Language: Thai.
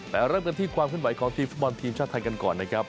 แต่เริ่มกันที่ความขึ้นไหวของทีมฟุตบอลทีมชาติไทยกันก่อนนะครับ